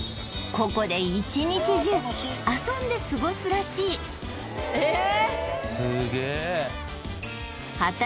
ここで１日中遊んで過ごすらしいえっ！